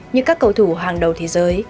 như các cầu thủ hàng đầu thế giới